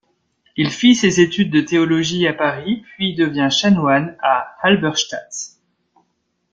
Il fit ses études de théologie à Paris, puis devint chanoine à Halberstadt.